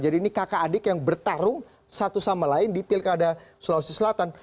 jadi ini kakak adik yang bertarung satu sama lain di pilkada sulawesi selatan